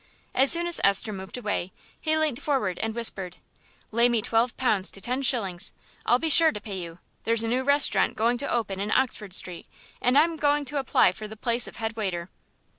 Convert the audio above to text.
As soon as Esther moved away he leant forward and whispered, "Lay me twelve pounds to ten shillings. I'll be sure to pay you; there's a new restaurant going to open in Oxford Street and I'm going to apply for the place of headwaiter."